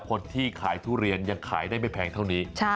คนที่ขายทุเรียนยังขายได้ไม่แพงเท่านี้